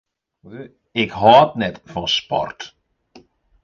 Ik hâld net fan sport.